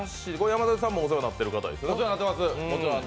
山添さんもお世話になってる方なんでしょう？